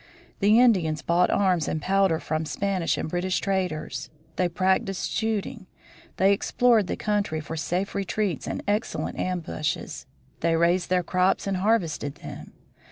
The Indians bought arms and powder from Spanish and British traders. They practised shooting. They explored the country for safe retreats and excellent ambushes. They raised their crops and harvested them.